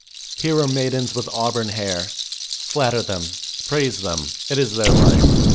Here are maidens with auburn hair; flatter them, praise them ; it is their life.